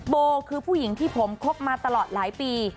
โบคือผู้หญิงที่ผมคบมาตลอดหลายปี